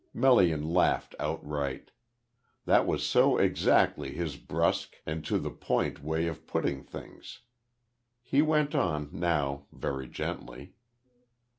Melian laughed outright. That was so exactly his brusque and to the point way of putting things. He went on, now very gently.